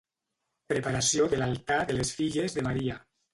Preparació de l'altar de les filles de Maria.